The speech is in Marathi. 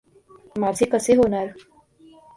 माझे कसे होणार?